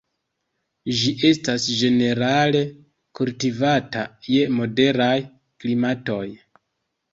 Ĝi estas ĝenerale kultivata je moderaj klimatoj.